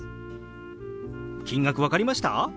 金額分かりました？